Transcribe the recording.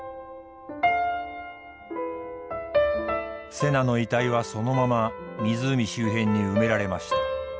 瀬名の遺体はそのまま湖周辺に埋められました。